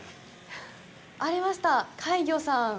ありました、海魚さん。